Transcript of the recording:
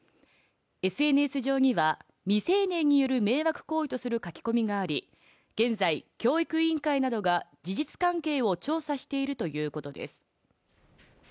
ＳＮＳ上には、未成年による迷惑行為とする書き込みがあり、現在、教育委員会などが事実関係を調査しているということです。